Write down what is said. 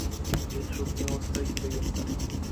এই শুকনো অবস্থায় কি দেখবেন স্যার?